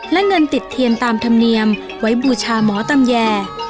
และเงินติดเทียนตามธรรมเนียมไว้บูชาหมอตำแย